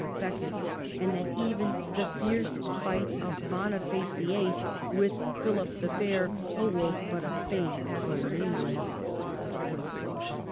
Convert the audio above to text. with Becket, and that even the fierce fight of Boniface VIII. with Philip the Fair awoke but a faint echo in England.